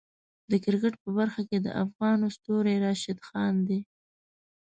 د کرکټ په برخه کې د افغانو ستوری راشد خان دی.